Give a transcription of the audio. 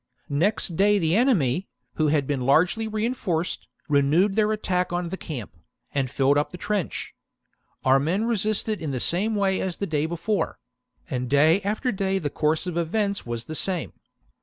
Next day the enemy, who had been largely reinforced, renewed their attack on the camp, and filled up the trench. Our men resisted in the same way as the day before ; and day after day the course of events was the same.